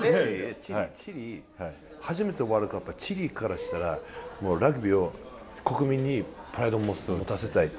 初めて、ワールドカップはチリからしたらラグビーを国民にプライドを持たせたい。